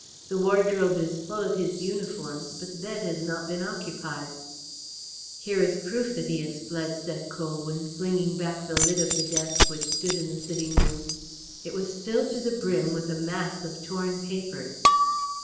"The wardrobe is full of his uniforms, but the bed has not been occupied." "Here is the proof that he has fled," said Colwyn, flinging back the lid of a desk which stood in the sitting room. It was filled to the brim with a mass of torn papers.